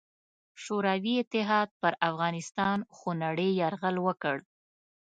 شوروي اتحاد پر افغانستان خونړې یرغل وکړ.